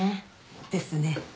ですね。